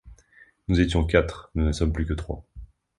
Nous étions quatre, nous ne sommes plus que trois.